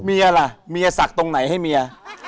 เมียล่ะเมียศักดิ์ตรงไหนให้เมีย